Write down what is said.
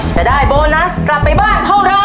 จะได้โบนัสกลับไปบ้านเท่าไร